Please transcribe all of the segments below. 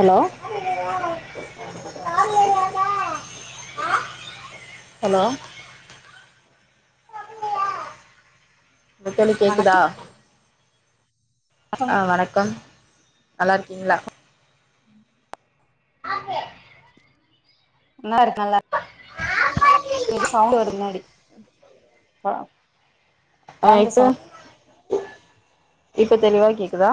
Hello hello ஆ தோழி கேக்குதா வணக்கம் ஆ வணக்கம் நல்லா இருக்கீங்களா? நல்லா இருக்கே நல்லா க்கா ஆ இப்ப இப்ப தெளிவா கேக்குதா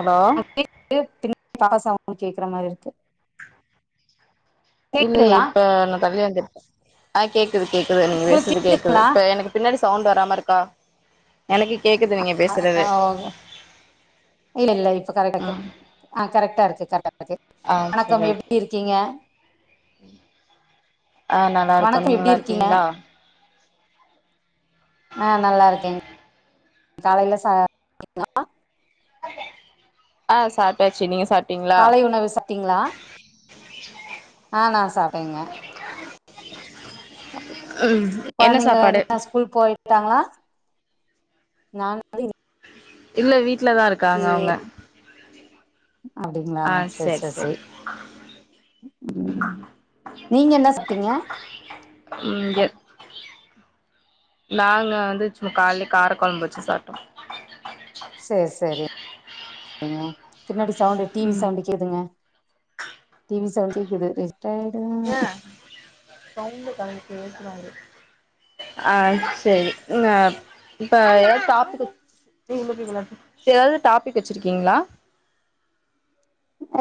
ஹலோ [inaudible] கேக்குற மாரி இருக்கு இல்லையே கேக்குதுங்களா இப்ப நா தள்ளி வந்து ஆ கேக் குது கேக்குது நீங்க உங்களுக்கு பேசுறது கேக்குது கேக்குதுங்களா இப்ப எனக்கு பின்னாடி சவுண்ட் வராம இருக்கா எனக்கு கேக்குது நீங்க [inaudible] பேசுறது ஓகே இல்ல இல்ல இப்ப கரக்டா ம் கேக்குது ஆ கரெக்ட் டா இருக்கு கரெக்டா இருக்கு ஆ சரி வணக்கம் ஓகே எப்டி இருக்கீங்க? [inaudible] ஆ நல்லா இருக்கோ வணக்கம் நீங்க எப்படி நல்லா இருக்கீங்க இருக்கீங்களா ஆ நல்லா இருக்கேங் காலைல சாப்டீங்ளா ஆ சாப்ட்டாச்சு நீங்க சாப் காலை உணவு சாப்ட்டீங்களா ஆ நா சாப்ட்டேங்க எப்பா என்ன நீங்க சாப்பாடு [inaudible] ஸ்கூல் போயிட்டாங்களா நா [inaudible] இல்ல வீட் லதா இருக்காங்க அவுங்க அப்டிங்களா சேர் சரி சேர் சரி சேரி ம் நீங்க என்ன சாப்ட்டீங்க? இங்க நாங்க வந்து சும்மா காலைல காரக் கொழம்பு வச்சு சாப்ட்டோ சேர் சேரி [inaudible] ங்க பின்னாடி சவுண்டு டி வி சவுண்டு கேக்குதுங்க டி வி சவண்டு கேக்குது ரிஜ க்டாயிடு ஆ சேரி நீங்க இப்ப ஏதாவது டாபிக்கு ஏதாவது டாபிக் வச்சிருக்கீங்களா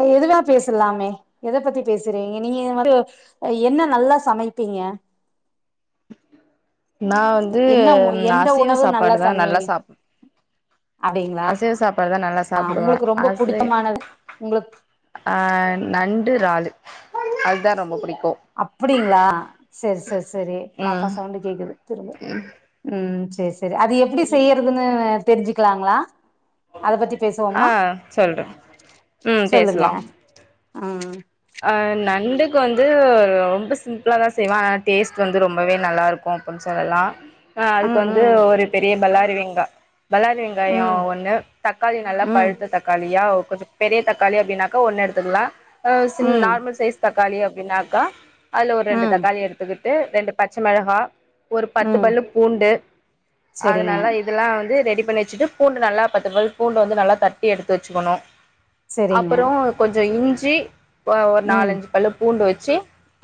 ஆ எதுனா பேசலாமே எத பத்தி பேசறீங்க நீங்க இது வந்து அ என்ன நல்லா சமைப்பீங்க நா வந்து என்ன ம் எந்த அசைவ உணவு சாப்பாடுதா நல்லா சமைங்க சாப்புடு அப்டிங்களா அசைவ சாப்பாடுதா நல்லா சாப்புடுவ உங்களுக்கு ரொம்ப அசை புடிச்சமானது உங்களுக்கு ஆ நண்டு, றாலு அதா ரொம்ப புடிக் அப்பிடிங்களா சேர் சேர் சேரி பாப்பா ம் சவுண்டு கேக்குது திரும்ப ம் செரி செரி அது எப்பிடி செய்யறதுன்னு தெரிஞ்சுக்கலாங்களா அத பத்தி பேசுவோமா ஆ சொல்றே ம் சொல்லுங்க பேசலா ம் ஆ நண்டுக்கு வந்து ரொம்ப சிம்பிளாதா செய்வே ஆனா டேஸ்ட் வந்து ரொம்பவே நல்லா இருக்கு அப்பின்னு சொல்லலா ஆ அதுக்கு வந்து ம் ஒரு பெரிய பல்லாரி வெ ங்க பல்லாரி வெங்காயம் ம் ஒன்னு தக்காளி நல்லா ம் ம் பழுத்த தக்காளியா கொஞ்சம் பெரிய தக்காளி அப்படின்னாக்கா ஒண்ணு எடுத்துக்கலாம் ம் நார்மல் சைஸ் தக்க தக்காளி அப்படின்னாக்கா அதுல ஒரு ரெண்டு ம் தக்காளி எடுத்துக்கிட்டு ரெண்டு பச்சை மிளகா ஒரு பத்து ம் பல்லு பூண்டு செரிங்க அதனால இதெல்லாம் வந்து ர பண்ணி வச்சுட்டு பூண்டு நல்லா பத்து பூண்டு வந்து நல்லா தட்டி எடுத்து வச்சுக்கணும் செரிங்க அப்புறம் கொஞ்சம் ஜி ஒரு ம் நாலஞ்சு பல்லு பூண்டு வெச்சு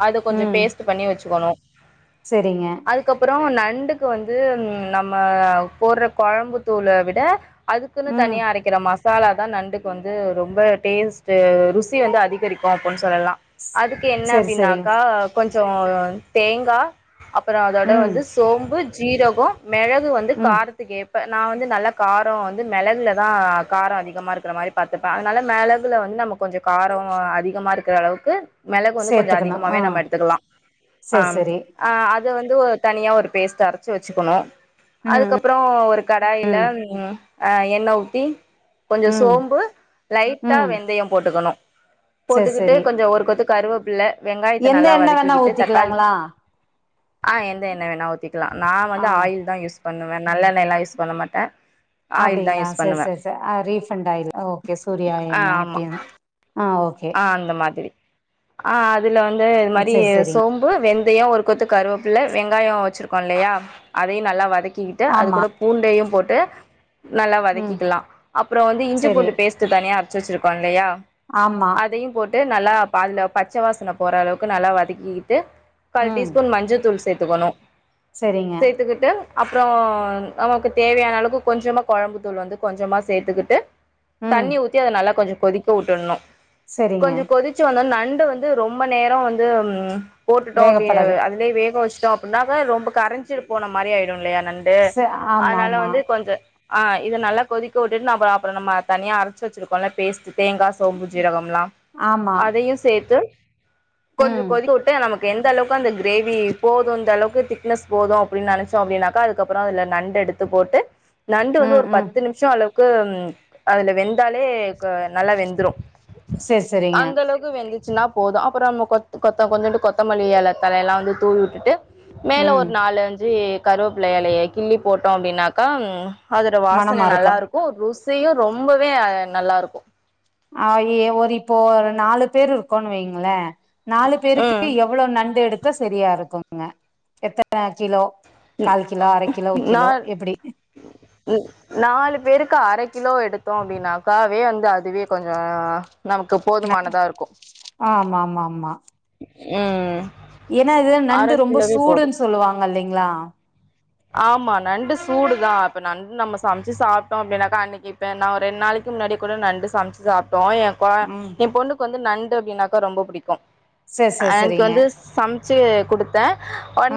அது கொஞ்சம் ம் பேஸ்ட் பண்ணி வச்சுக்கணும் செரிங்க அதுக்கப்புறம் ந நண்டுக்கு வந்து நம்ம போடுற குழம்புத்தூளை விட அதுக்குன்னு ம் தனியா அரைக்கனுமா மசாலா தான் நண்டுக்கு வந்து ரொம்ப டேஸ்ட்டு ருசி வந்து அதிகரிக்கும் அப்படின்னு சொல்லலாம் அதுக்கு என்ன செரி செரி அப்படின்னாக்கா கொஞ்சம் அப்பறோம் தேங்கா அப்புறம் அதோட ம் வந்து சோம்பு ஜீரகோம் மிளகு வந்து ம் காரத்துகேத்த இப்ப நான் வந்து நல்ல காரம் வந்து மிளகுல தான் காரம் அதிகமா இருக்கிற மாரி பார்த்துப்பேன் அதனால மிளகுல வந்து நமக்கு கொஞ்சம் காரம் அதிக மா இருக்கிற அளவுக்கு மிளகு வந்து கொஞ்சம் சேத்துக்கணு ஆ அதிகமாவே நம்ம எடுத்துக்கலாம் செரி செரி ஆஹ் இத வந்து ஒரு தனியா ஒரு பேஸ்டா அரைச்சு வச்சுக்கணும் ம் அதுக்கப்புறம் ஒரு கடாயில ம் அஹ் எண்ணெய் ஊத்தி கொஞ்சம் ம் சோம்பு லைட்டா ம் வெந்தயம் போட்டுக்கணும் செரி போட்டுக்கிட்டு செரி கொஞ்சொ ஒரு கொத்து கருவேப்புல்ல வெங்காயத்த எந்த நல்லா எண்ணெ வேணா வதக்கிக்கிட்டு தக்காளி ஊத்திக்கலாங்களா ஆ எந்த எண்ண வேணா ஊத்திக்லா நா ஆ வந்து ஆயில் தா யூஸ் ப ண்ணுவே நல்லண்ணெய்லா யூஸ் பண்ண மாட்டே ஆயில் தா அப்டிங்ளா யூஸ் செர் பண்ணுவே செர் செ அ ரீஃபண்ட் ஆயில் ஓகே சூர்யா ஆ எண்ண அப்டி ஆமா ஆ அந்த மாதிரி ஆ அ துல வந்து இது மாரி செரி செரிங் சோம்பு வெந் தயொ ஒரு கொத்து கருவப்புல்ல வெங்காயொ வச்சுருக்கோல்லயா அதையு நல்லா வதக் கிகிட்டு அது ஆமா கூட பூண்டையு போட்டு நல்லா ம் வதக்கிக்கலா அப்றொ வந்து இஞ்சி செரி பூண்டு பேஸ்ட்டு தனியா அர ச்சு வச்சிருக்கோல்லயா ஆமா டு நல்லாப்பா அந்த பச்ச வாசன போற அளவுக்கு நல்லா வதக்கிகிட்டு கால் ம் டீஸ்பூன் மஞ்ச தூள் சே த்துக்கனு செரிங்க சேத்துக்கிட்டு அப்றொ நமக்கு தேவையான அளவுக்கு கொஞ்சமா கொழம்பு தூள் வந்து கொஞ்சமா சேத்துக்கிட்டு ம் தண்ணி ஊத்தி அது நல்லா கொஞ்ச கொதிக்க வுட்டட்னு செரிங்க கொஞ்சொ கொதிச்சு வந்தோன்ன நண் டு வந்து ரொம்ப நேரொ வந்து ம் போட்டுட்டோ அப்டியே வேகப்படாது அதுலயே வேக வச் சோ அப்புன்னாதா ரொம்ப கரஞ்சு போன மாரி ஆயிடு இல்லயா நண்டு ச ஆமா அதுனால ஆமா வந்து கொஞ்ச ஆ இத நல்லா கொதிக்க வுட்டு நம்ம அப்ற நம்ம தனியா அரச்சு வச்சுருக்கோல்ல பேஸ்ட்டு தேங்கா, சோம்பு, ஜீரகம் லா ஆமா அதையு சே த்து கொஞ்சொ ம் கொதிக்க வுட்டு நமக் கு எந்தளவுக் கு அந்த கிரேவி போது இந்தளவு க்கு திக்னஸ் போது அப்டின் நெனச்சோ அப்டின்னாக்கா அதுக்கப்றொ அதுல நண்டு எடுத்து போட்டு நண்டு வந்து ம் ஒரு ம் பத்து நிமிஷம் அளவு அதுல வெந்தாலே நல்லா வெந்துரும் செரி செரிங்க அந்த அளவுக்கு வெந்து ச்சனா போதும் அப்புறம் கொத்த கொஞ்சட்டு கொத்தமல்லி இல தல எல்லாம் வந்து தூவி விட்டுட்டு மேல ம் ஒரு நாலு அஞ்சு கருவேப்பிள்ளைையலைய கிள்ளி போட்டோம் அப்படின்னாக்கா அதோடய வாசனை மனமா இருக்கு நல்லாிருக்கும் ரூ செய்யும் ரொம்பவேஹ் நல்லா இருக்கும் அஹ் ஒரு இப்போ ஒரு நாலு பேர் இருக்கோன்னு வைங்களே நாலு பேருக்கு ம் எவ்வளோ நண்டு எடுத்து சரியா இருக்குங்க எத்தனை கிலோ கால் கிலோ அரை கிலோ ஒரு நா கிலோ எப்படி நாலு வெறுக்கா அரை கிலோ எடுத்தோம் அப்படினாக்காவே வந்து அதுவே கொஞ்சம் நமக்கு போதுமானதா இருக்கும் ஆமா ஆமா ஆமா ஆஹம் ஏன்னா இது நண்டு ரொம்ப சூடுன்னு சொல்லுவாங்க இல்லைங்களா ஆ ஆமா நண்டு சூடுதான் இப்ப நண்டு நம்ம சமைச்சு சாப்பிட்டோம் அப்பிடின்னாக்கா அன்னைக்குப்பேன் நான் ஒரு ரெண்டு நாளைக்கு முன்னாடி கூட நண்டு சமைச்சு சாப்பிட்டேன் டோம் ம் என் பொண்ணுக்கு வந்து நண்டு அப்படின்னாக ரொம்ப பிடிக்கும் செரி செரி அன்னைக்கு செரிங்க வந்து சமைச்சு கொடுத்தேன்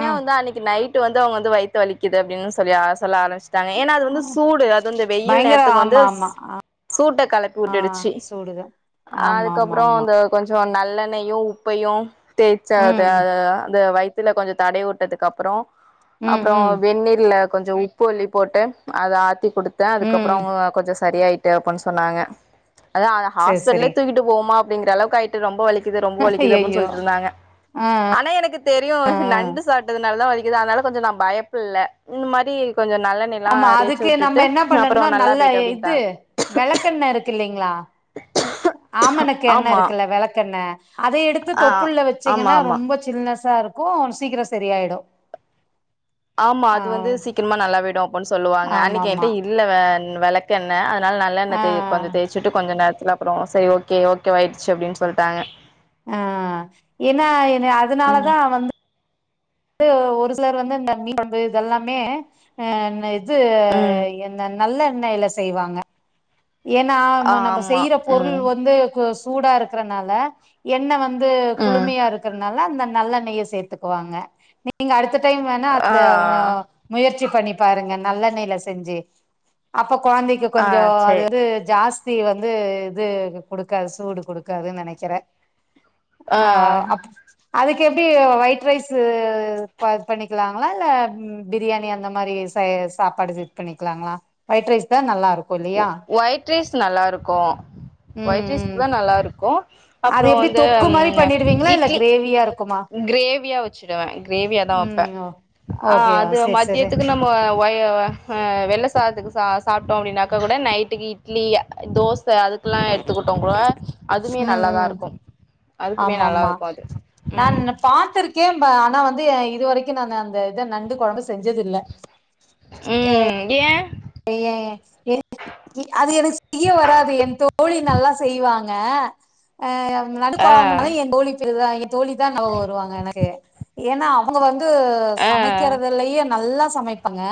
ஆ வந்து அன்னைக்கு நைட் வந்து அவங்க வைத் வலிக்குது அப்படின்னு சொல்லி சொல்ல ஆ ஏன்னா அது வந்து சூடு அது வெயில் பயங்கர நேரத்துக்கு வந்து ஆமா ஆமா சூட்டை கெளப்பி ஆ விட்டுடுச்சு சூடுதா ஆமா ஆமா அதுக்கப்புறம் ஆமா அது கொஞ்சம் நல்ல நல்லெண்ணையும் உப்பையும் தேச்சா அத ம் அந்த அந்த வயித் துல கொஞ்சம் தட விட்டதுக்கு அப்புறம் ம் அப்புறம் ம் வெந்நீர்ல கொஞ்சொ உப்பு அள்ளி போட்டு அத ஆ திக் குடுத்தே அதுக்கப்றொ ம் அவுங்க கொஞ்ச சரியாயிட்டு அப்புன் சொன்னாங்க அதா அத செரி ஹாஸ்பிட்டலே செரி தூக்கிட்டு போவோமா அ ப்டிங்கிற அளவுக்கு ஆயிட்டு ரொம்ப வலி க்கிது ரொம்ப வலிக்குது அப்புன் ஐயையோ சொல்லிட்ருந்தாங்க ஆனா எனக்கு தெரியு ஆ நண்டு சாப்டதுனால தா வலி க்கிது அதுனால கொஞ்ச நா பயப்புல்ல இந்த மாரி கொஞ்சோ நல்லெண்ணெய்லா ஆமா தேச்சு அதுக்கு நம்ம விட்டுட்டு என்ன அப்புறோ பண்ணணுன்னா நல்லா நல்ல போயிட்டு இது அப்டின்ட்டாங்க வெளக்கெண்ண இருக்குல்லிங் ளா ஆமணக்கு எண்ண ஆமா இருக்குல்ல வெளக்கெண்ண அத எடுத்து ஆ தொப்புள்ள ஆமா வச்சீங்கன்னா ஆமா ரொம்ப சில்னஸ் ஸாருக்கு சீக்கிர சரியாயிடு ஆமா ஆ அது வந்து சீக்கிரமா நல்லா விடு ன் சொல்லுவாங்க அன்னக்கி என்ட்ட ஆமாமா இல்லவே வெளக்கெண்ண அ துனால் நல்லெண்ண ஆ தே கொஞ்ச தேச்சுட்டு கொஞ்ச நேர த்துக்கப்றொ செரி ஓகே ஓகேவாயிடுச்சு அப்டின் சொல்ட்டாங்க ஆ ஏன்னா என்னய ம் அதுனாலதா வந் து ஒரு சிலர் வந்து இந்த மீன்கொழம்பு இதெல்லாமே ஆ ந இ து ம் எண்ண நல்லெண்ணய்ல செய்வாங்க ஏனா நம்ம ஆமா செய்ற பொருள் ம் வந்து கொ சூடா இருக்குறனால எண்ண வந் து ம் குளுமையா இருக்கறனால அந்த நல்லெண்ணய சேத்துக்குவாங்க நீங்க அடுத்த டைம் வேணா ஆ அந்த வ முயற்சி பண்ணி பாருங்க நல்லெண்ணய்ல செஞ்சு அப்ப கொழந்தைக்கு ஆ கொஞ்சோ சேரி அது ஜாஸ்தி வந்து இது குடுக்காது சூடு குடுக்காதுன் நனைக்கிறே ஆ ஆஹ் அப் அதுக்கு எப்படி ஒயிட் ரைஸ் இது பண்ணிக்கலாங்களா இல்ல பிரியாணி அந்த மாதிரி ச சாப்பாடு இது பண்ணிக்கலாங்களா ஒயிட் ரைஸ் தான் நல்லா இருக்கும் கும் லியா ஒயிட் ரைஸ்க்கு நல்லாயிருக்கும் ஒயிட்ரைஸ்க்கு ம் தான் நல்லாிருக்கும் அது எப்படி தொக்கு மாதிரி பண்ணிடுவீங்களா இல்ல இட்லி கிரேவியா இருக்கும் கிரேவியா வச்சுடுவேன் கிரேவியா தான் ம் வைப்பேன் ஓ ஓகே ஆஹ் அது செரி செரி மத்தியத்துக்கு நம்ம ஹ் ஆஹா வெள்ளை சாதத்துக்கு ச சாப்பிட்டோம் அப்படின்னாக்கா கூட நைட்டுக்கு இட்லி தோசை ச அதுக்குெல்லாம் எடுத்துக்கிட்டோம் கூட அதுமே ம் நல்லாதான் ம் இருக்கும் அதுக்குமே ஆமா நல்லா ஆமா இருக்கும் அது நான் ம் உங்கள பாத்திருக்கேன் கேம்பேன் ஆனா வந்து இது வரைக்கும் நான் அந்த இத நண்டு குழம்பு செஞ்சது இல்ல ம் ஏ ஏன் ஏன் அது எனக்கு செய்ய வராது என் தோழி நல்லா செய்வாங்க அஹ நடு குழ ஆ அதஎன் தோழி ங்க தோழி தான் நியாபகம் வருவாங்க எனக்கு ஏன்னா அவங்க வந்து து ஆ சமைக்கிறது இல்லையே நல்லா சமைப்பங்க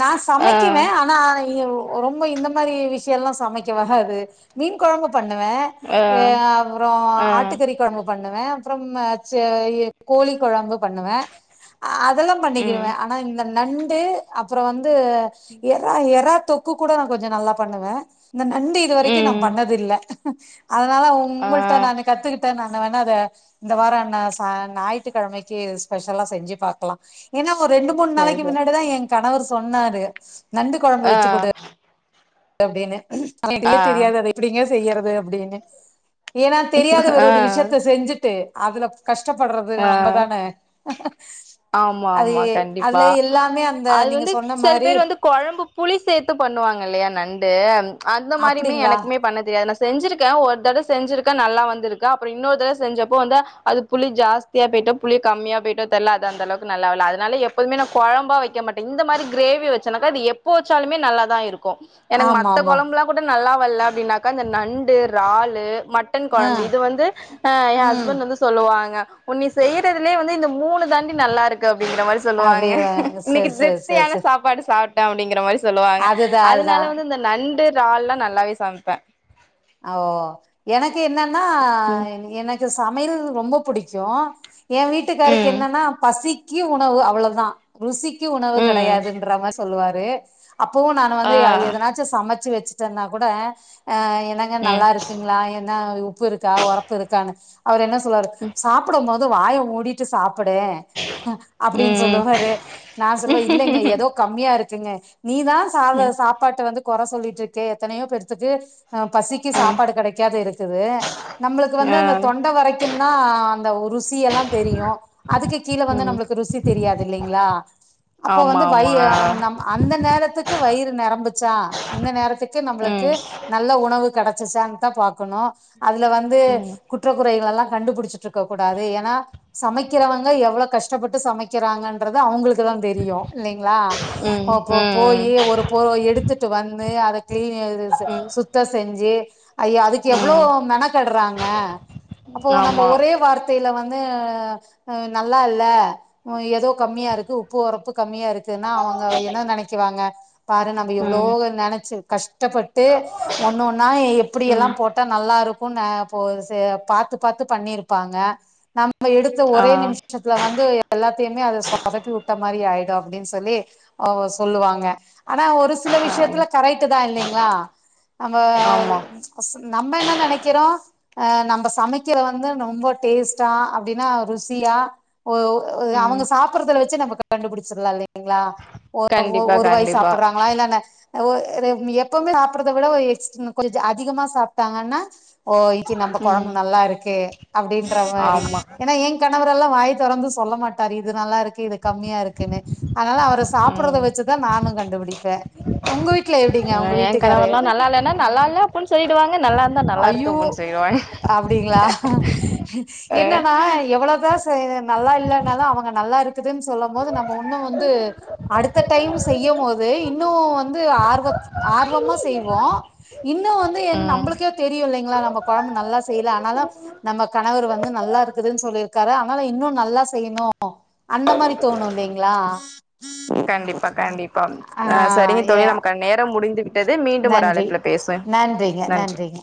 நான் ஆ சமைக்குவேன் ஆனா ரொம்ப இந்த மாதிரி விஷயம் எல்லாம் சமைக்க வராது மீன் குழம்பு பண்ணுவேன் ஆ அப்புறம் ஆ ஆட்டுக்கறி குழம்பு பண்ணுவேன் பண்ணுவேன் அப்புறம் கோழி குழம்பு பண்ணுவேன் அதெல்லாம் ம் பண்ணிக்குவேன் ஆனா இந்த நண்டு அப் அப்புறம் வந்து எறா எறா தொக்கு கூட நான் கொஞ்சம் நல்லா பண்ணுவேன் இந்த நண்டு இது வரைக்கும் நான் ம் பண்ணது இல்லை [unintelligible] அதனால ஆ உங்கள்ட்ட நான் கத்துக்கிட்டேன் நான் வேணா அத இந்த வாரம் ந ஞாயிற்றுக்கிழமைக்கு ஸ்பெஷலா செஞ்சு பாக்கலாம் ஏன்னா ஒரு ரெண்டு மூணு சரி நாளைக்கு சரி முன்னாடிதான் எங் கணவர் சொன்னாரு நண்டு கொழம்பு ஆ வச்சு குடு அப்டினு ஆ [unintelligible] தெரியாது அத எப்டிங்க செய்யறது அப்டீனு ஏனா தெரியாத ஒரு ஆ ஒரு விஷ்யத்த செஞ்சுட்டு அதுல கஷ்டப்படுறது ஆ நம்மதான ஆமா அது ஆமா கண்டிப்பா அதுல எல்லாமே அந்த அது நீங்க வந்து சொன்ன செல மாரி பேர் வந்து கொழம்பு புளி சேத்து பண்ணுவாங்கல்லயா நண் டு அந் அந்த மாரிமே அப்டிங்களா எனக்குமே பண்ண தெரியாது நா செஞ்சுருக்கே ஒரு தடவ செஞ்சுருக்கே நல்லா வந்துருக்கு அப்றோ இன்னொரு தடவ செஞ்சப்போ வந்து அது புளி ஜாஸ் தியா போயிட்டோ புளி கம்மியா போயிட்டோ தெர்ல அது அந்த அளவுக்கு நல்லாவெல்ல அதுனால எப்போதுமே நா கொழம்பா வக்க மாட்டே இந்த மாரி கிரேவி வெச்சனாக்கா அது எப்போ வச்சாலுமே நல்லாத இரு க்கு எனக்கு ஆமா மத்த ஆமா கொழம்புலா கூட நல்லா வல்ல அப்டின்னாக்கா அந்த நண்டு றாலு மட்டன் ஆ கொழம்பு இது வந்து அ எ ம் ஹஸ்பண்ட் வந்து சொல்லுவாங்க உ நீ செய்றதுலயே வந்து இந்த மூணு தாண்டி நல்லாருக்கு அ ப்டிங்கிற மாரி சொல்லுவாங்க அப்டின்னுவாங்க இன்னிக்கு சேரி சேரி சேரி திருப்தியான சேரி சாப்பாடு சாப் ட அப்டிங்கற மாரி சொல்லுவாங்க அதுதா அதுனால அதுதா வந்து இந்த நண்டு றால்லா நல்லாவே சமப்பே ஓ என க்கு என்னன்னா ம் எனக் கு சமையல் ரொம்ப புடிக்கு ஏ வீட்டுக்காருக்கு ம் என்னன்னா பசி க்கி உணவு அவ்ளதா ருசிக் கி உணவு ம் கெடையாதுன்றமார் சொல்வா ரு அப்பவு நானு வந்து ஆ அ எதனாச்சு சமச்சு வச் சுட்டன்னா கூட ஆ ஏ ங்க ம் நல்லாருக்குங்ளா என்னா உ ப்பு இருக்கா ஒரப்பு இருக்காங்க அவுரு என்ன சொ ல்லுவாரு சாப்புடும்போ து வாய மூடிட்டு சாப் புடே அப்டின் ம் ம் சொல்லுவாரு நா சொல்வே இல்லைங்க ஏதோ கம்மியா இரு ச்சுங்க நீதா சாத சாப்பாட்ட வந்து கொற சொல்லிட்ருக்க எத்தனையோ பேருத்துக்கு அ பசிக்கி சாப்பாடு கெடைக்காது இரு க்குது நம்மளுக்கு வந்து ஆ அந்த தொண்ட வரைக்குந்தா அந்த ருசி எல்லா தெரியு அதுக்கு கீழ வந்து ம் நம்ளுக்கு ருசி தெரியாது இல்லிங்ளா அப்ப ஆமா வந்து வய் ஆமா நம் அந்த நேரத்துக்கு வயிறு நெரம்பு ச்சா இந்த நேரத்து க்கு நம்ளுக்கு ம் நல்ல உணவு கெடச்சுசான் தா பாக்கனு அதுல வந்து ம் குற்ற குறைகள்லா கண்டுபுடுச்சுட்ருக்க கூடாது ஏனா சமைக்கிறவங்க எவ்ள கஷ்டப்பட்டு சமைக்கிறாங்கன்றத அவுங்ளுக் குதா தெரியு இல்லைங்ளா ம் அப்ப போயி ம் ஒரு பொரு எடுத்துட்டு வந் து அத கிளீன் அது ச ம் சுத்த செஞ்சு அய்ய அதுக்கு எவ்ளோ ம் மெனக்கெட்றாங்க அப்போ நம்ப ஆமா ஒரே வார்த்தைல வந் து நல்லா இல்ல ஏதோ கம்மியா இருக்கு உப்பு ஒரப்பு கம்மியா இருக்குன்னா அவுங்க என்ன நெனைக்குவாங்க பாரு நம்ம எவ்ளோ ம் நெனச்சு கஷ்டப்பட்டு ஒன்னொன்னா எப்பிடியல்லா ம் போட்டா நல்லாரு க்குன் ந போ செ பாத்து பாத்து பண்ணிருப்பாங்க நம் ம எடுத்த ஆ ஒரே நிமிஷத்துல வந்து எல்லா த்தையுமே அத சொதப்பி வுட்ட மாரி ஆயிடு அப்டின் சொல்லி அவுக சொல்லுவாங்க ஆனா ஒரு சில ஆ விஷ்யத்ல கரைட்டு தா இல்லிங்ளா நம்ம ஆமா [unintelligible] நம்ம என்ன நெனக்கிறோ ஆ நம்ப சமக்கிற வந்து ரொம்ப டேஸ்டா அப்டினா ருசியா ஒ அவுங்க ம் சாப்புறதுல வச்சு நம்ம கண்டுபுடிச்சர்லா இல்லெ ங்ளா ஒ ஒ கண்டிப்பா ஒரு வாய் கண்டிப்பா சாப்புட்றாங்ளா இல்லன ஒ ரு எப்பவ்மே சாப்றத விட எ [unintelligible] கொஞ்ச அதிகமா சாப்டாங்கன்னா ஓ இச்சி நம்ம ம் கொழம்பு நல்லா இருக்கே அப்டின்ற மாரி ஆமா ஏன்னா ஏ க ணவரெல்லாம் வாய தொறது சொல்ல மாட்டாார் இது நல்லா இருக் கீர இது கம்மியா இருக்குன்னு அதனால அவர சாப்றத ம் வச்சிதான் நானும் கண்டுபிடிப்பேன் உங்க வீட்ல எப்டிங்க உங்க என் வீட்டுக்காரு கணவர்லா நல்லா இல்லன்னா நல்லா இல்ல அப்டின்னு சொல்லிடுவாங்க நல்லா இருந்தா நல்லா இருக்கு ஐய்யோ அப்டின்னு சொல்லிடுவாங்க அப்டிங்களா அ என்னன்னா எவ்ளோதான் செய்ர் நல்லா இல்லனாலும் அவுங்க நல்லா இருக்குதுன்னு சொல்லும் போது நம்ம ஒன்னு வந்து அடுத்த டைம் செய்யும் போது இன்னும் வந்து ஆர்வ ஆர்வமா செய்வோம் இன்னும் வந் து ஏதும் ம் நம்புளுக்கே தெரியுல்லங் இல்ல நம்ம குழம்பு நல்லா செய்யல ஆனாலு நம்ம கணவர் வந்து நல்லா இருக்குதுன்னு சொல்லிருக்காரு ஆனாலும் இன்னும் நல்லா செய்யணும் கண்டிப்பா கண்டிப்பா ஆ சரிங்க ஏ தோழி நமக்கான நேரம் முடிந்து விட்டது மீண்டும் ஒரு நன்றி அழைப்புல பேசுவோ நன்றிங்க நன்றி நன்றிங்க